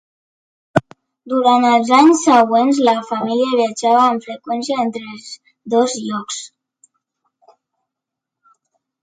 Durant els anys següents, la família viatjava amb freqüència entre els dos llocs.